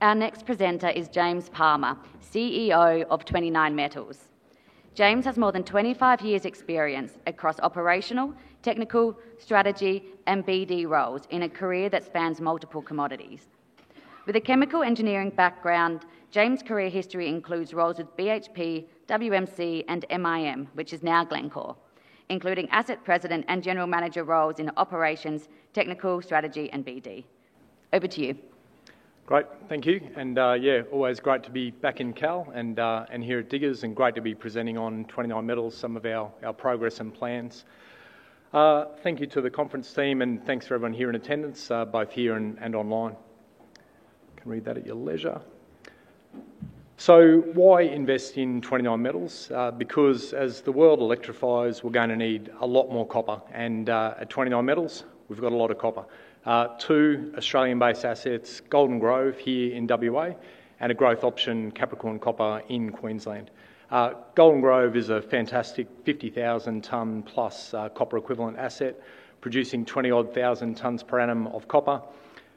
Our next presenter is James Palmer, CEO of 29Metals. James has more than 25 years' experience across operational, technical, strategy, and BD roles in a career that spans multiple commodities. With a chemical engineering background, James' career history includes roles with BHP, WMC, and MIM, which is now Glencore, including Asset President and General Manager roles in operations, technical, strategy, and BD. Over to you. Great, thank you. Always great to be back in [CAL] and here at Diggers, and great to be presenting on 29Metals, some of our progress and plans. Thank you to the conference team, and thanks for everyone here in attendance, both here and online. You can read that at your leisure. Why invest in 29Metals? Because, as the world electrifies, we're going to need a lot more copper. At 29Metals, we've got a lot of copper. Two Australian-based assets, Golden Grove here in WA, and a growth option, Capricorn Copper, in Queensland. Golden Grove is a fantastic 50,000+ ton copper equivalent asset, producing 20-odd thousand tons per annum of copper,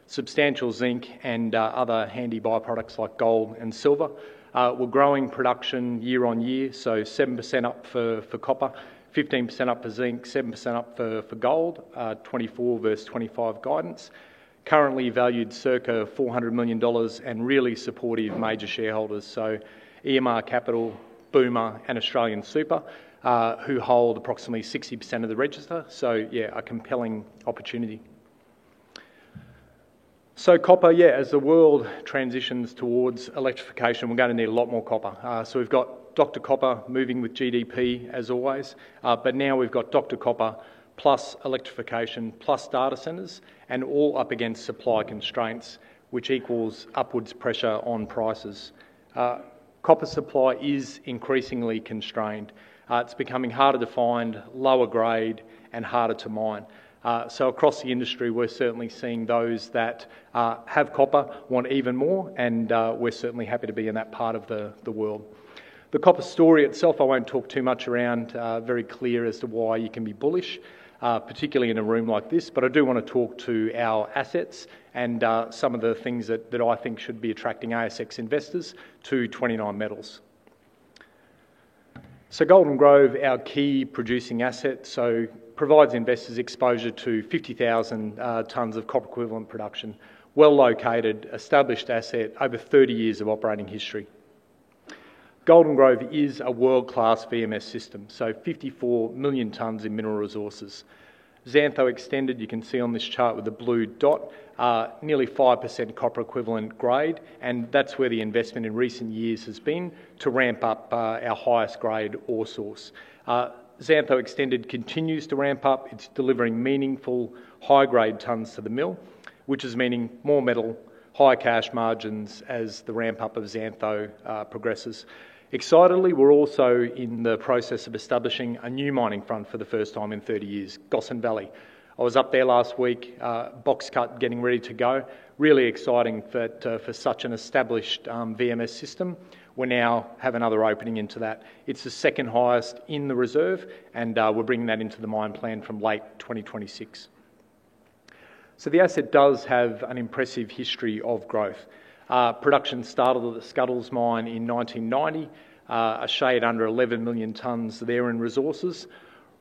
substantial zinc, and other handy byproducts like gold and silver. We're growing production year on year, 7% up for copper, 15% up for zinc, 7% up for gold, 2024 versus 2025 guidance. Currently valued at circa $400 million and really supportive major shareholders, EMR Capital, Boomer, and AustralianSuper, who hold approximately 60% of the register. A compelling opportunity. Copper, as the world transitions towards electrification, we're going to need a lot more copper. We've got Dr. Copper moving with GDP as always, but now we've got Dr. Copper plus electrification plus data centers, all up against supply constraints, which equals upwards pressure on prices. Copper supply is increasingly constrained. It's becoming harder to find, lower grade, and harder to mine. Across the industry, we're certainly seeing those that have copper want even more, and we're certainly happy to be in that part of the world. The copper story itself, I won't talk too much around, very clear as to why you can be bullish, particularly in a room like this, but I do want to talk to our assets and some of the things that I think should be attracting ASX investors to 29Metals. Golden Grove, our key producing asset, provides investors exposure to 50,000 tons of copper equivalent production, well-located, established asset, over 30 years of operating history. Golden Grove is a world-class VMS system, 54 million tons in mineral resources. Xantho Extended, you can see on this chart with the blue dot, nearly 5% copper equivalent grade, and that's where the investment in recent years has been to ramp up our highest grade ore source. Xantho Extended continues to ramp up. It's delivering meaningful high-grade tons to the mill, which is meaning more metal, higher cash margins as the ramp-up of Xantho progresses. Excitedly, we're also in the process of establishing a new mining front for the first time in 30 years, Gossan Valley. I was up there last week, box cut getting ready to go. Really exciting that for such an established VMS system, we now have another opening into that. It's the second highest in the reserve, and we're bringing that into the mine plan from late 2026. The asset does have an impressive history of growth. Production started at the Scuddles mine in 1990, a shade under 11 million tons there in resources.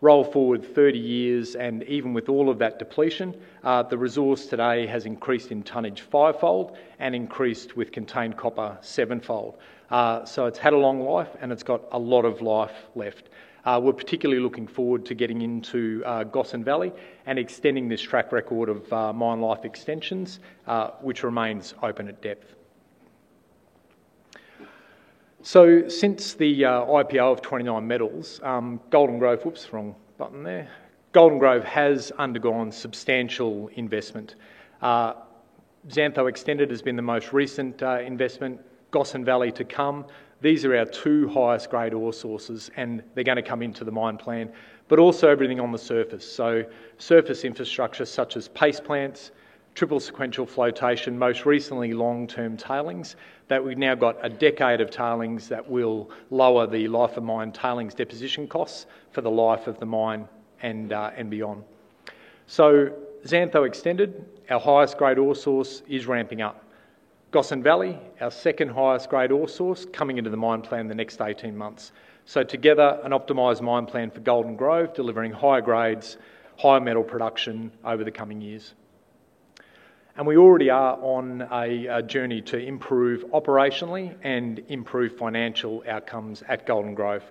Roll forward 30 years, and even with all of that depletion, the resource today has increased in tonnage five-fold and increased with contained copper seven-fold. It's had a long life, and it's got a lot of life left. We're particularly looking forward to getting into Gossan Valley and extending this track record of mine life extensions, which remains open at depth. Since the IPO of 29Metals, Golden Grove has undergone substantial investment. Xantho Extended has been the most recent investment, Gossan Valley to come. These are our two highest grade ore sources, and they're going to come into the mine plan, but also everything on the surface. Surface infrastructure such as paste plants, triple sequential flotation, most recently long-term tailings, that we've now got a decade of tailings that will lower the life of mine tailings deposition costs for the life of the mine and beyond. Xantho Extended, our highest grade ore source, is ramping up. Gossan Valley, our second highest grade ore source, coming into the mine plan the next 18 months. Together, an optimized mine plan for Golden Grove, delivering higher grades, higher metal production over the coming years. We already are on a journey to improve operationally and improve financial outcomes at Golden Grove,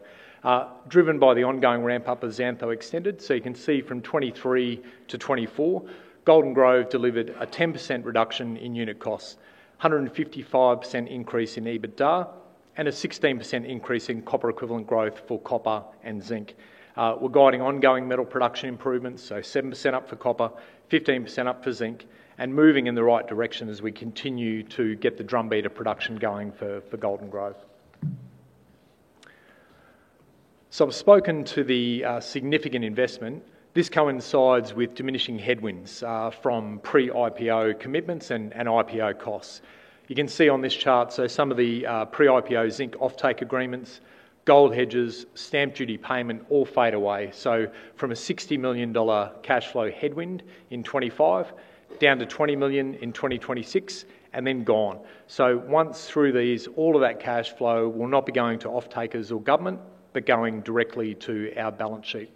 driven by the ongoing ramp-up of Xantho Extended. You can see from 2023-2024, Golden Grove delivered a 10% reduction in unit costs, a 155% increase in EBITDA, and a 16% increase in copper equivalent growth for copper and zinc. We're guiding ongoing metal production improvements, 7% up for copper, 15% up for zinc, and moving in the right direction as we continue to get the drumbeat of production going for Golden Grove. I've spoken to the significant investment. This coincides with diminishing headwinds from pre-IPO commitments and IPO costs. You can see on this chart, some of the pre-IPO zinc offtake agreements, gold hedges, stamp duty payment all fade away. From a $60 million cash flow headwind in 2025, down to $20 million in 2026, and then gone. Once through these, all of that cash flow will not be going to offtakers or government, but going directly to our balance sheet.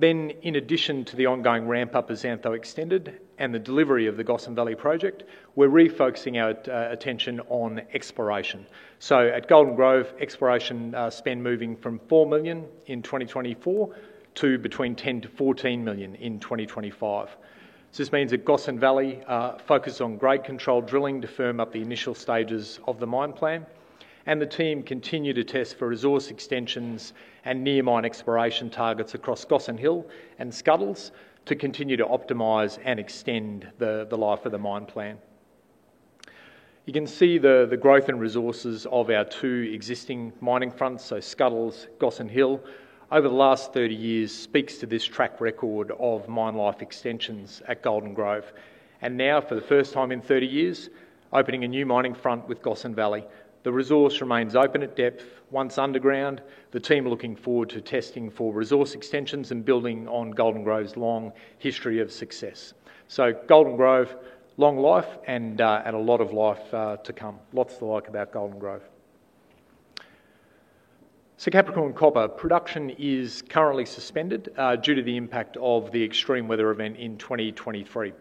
In addition to the ongoing ramp-up of Xantho Extended and the delivery of the Gossan Valley project, we're refocusing our attention on exploration. At Golden Grove, exploration spend is moving from $4 million in 2024 to between $10 million-$14 million in 2025. This means that Gossan Valley focuses on grade control drilling to firm up the initial stages of the mine plan, and the team continues to test for resource extensions and near mine exploration targets across Gossan Hill and Scuddles to continue to optimize and extend the life of the mine plan. You can see the growth in resources of our two existing mining fronts, Scuddles and Gossan Hill, over the last 30 years, which speaks to this track record of mine life extensions at Golden Grove. For the first time in 30 years, opening a new mining front with Gossan Valley. The resource remains open at depth. Once underground, the team is looking forward to testing for resource extensions and building on Golden Grove's long history of success. Golden Grove, long life and a lot of life to come. Lots to like about Golden Grove. Capricorn Copper production is currently suspended due to the impact of the extreme weather event in 2023.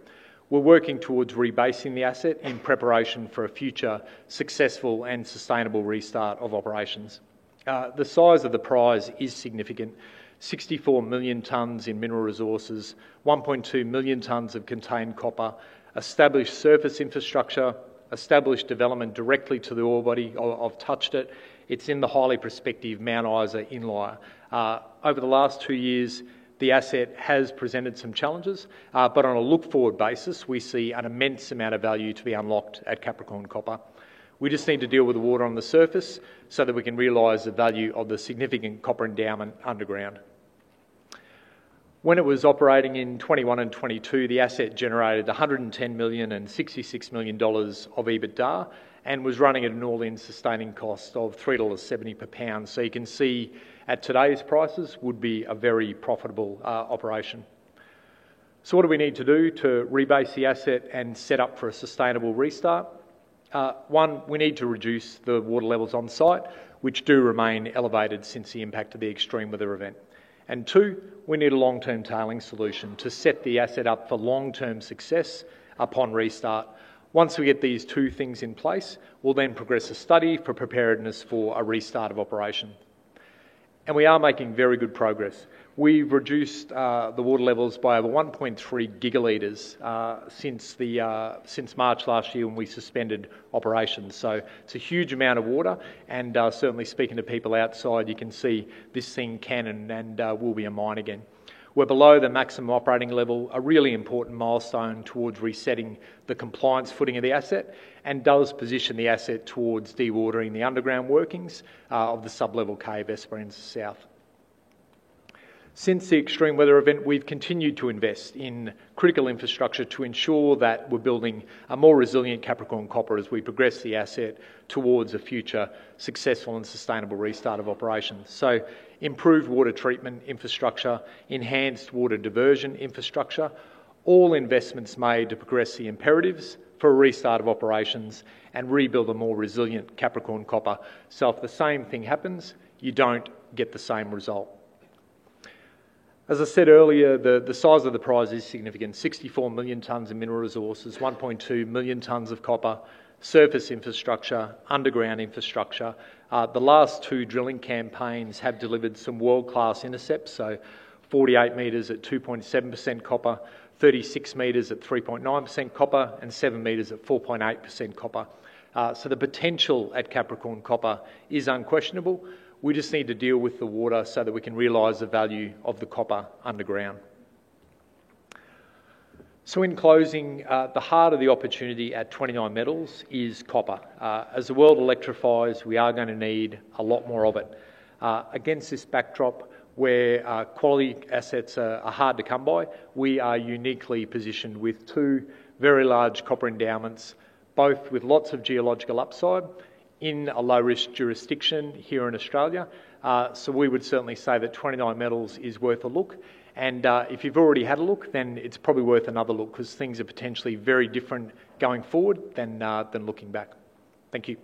We're working towards rebasing the asset in preparation for a future successful and sustainable restart of operations. The size of the prize is significant: 64 million tons in mineral resources, 1.2 million tons of contained copper, established surface infrastructure, established development directly to the ore body. I've touched it. It's in the highly prospective Mount Isa inlier. Over the last two years, the asset has presented some challenges, but on a look-forward basis, we see an immense amount of value to be unlocked at Capricorn Copper. We just need to deal with the water on the surface so that we can realize the value of the significant copper endowment underground. When it was operating in 2021 and 2022, the asset generated $110 million and $66 million of EBITDA and was running at an all-in sustaining cost of $3.70 per pound. You can see at today's prices it would be a very profitable operation. What do we need to do to rebase the asset and set up for a sustainable restart? One, we need to reduce the water levels on site, which do remain elevated since the impact of the extreme weather event. Two, we need a long-term tailings solution to set the asset up for long-term success upon restart. Once we get these two things in place, we'll then progress a study for preparedness for a restart of operation. We are making very good progress. We reduced the water levels by over 1.3 GL since March last year when we suspended operations. It's a huge amount of water, and certainly speaking to people outside, you can see this thing can and will be a mine again. We're below the maximum operating level, a really important milestone towards resetting the compliance footing of the asset and it does position the asset towards dewatering the underground workings of the sub-level cave Esperance South. Since the extreme weather event, we've continued to invest in critical infrastructure to ensure that we're building a more resilient Capricorn Copper as we progress the asset towards a future successful and sustainable restart of operations. Improved water treatment infrastructure, enhanced water diversion infrastructure, all investments made to progress the imperatives for a restart of operations and rebuild a more resilient Capricorn Copper. If the same thing happens, you don't get the same result. As I said earlier, the size of the prize is significant. 64 million tons of mineral resources, 1.2 million tons of copper, surface infrastructure, underground infrastructure. The last two drilling campaigns have delivered some world-class intercepts: 48 m at 2.7% copper, 36 m at 3.9% copper, and 7 m at 4.8% copper. The potential at Capricorn Copper is unquestionable. We just need to deal with the water so that we can realize the value of the copper underground. In closing, the heart of the opportunity at 29Metals is copper. As the world electrifies, we are going to need a lot more of it. Against this backdrop, where quality assets are hard to come by, we are uniquely positioned with two very large copper endowments, both with lots of geological upside in a low-risk jurisdiction here in Australia. We would certainly say that 29Metals is worth a look. If you've already had a look, it's probably worth another look because things are potentially very different going forward than looking back. Thank you.